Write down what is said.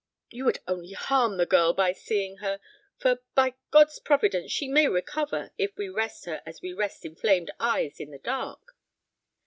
You would only harm the girl by seeing her, for, by God's providence, she may recover if we rest her as we rest inflamed eyes in the dark.